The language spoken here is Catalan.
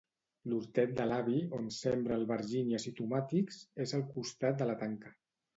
L'hortet de l'avi, on sembra albergínies i tomàtics, és al costat de la tanca.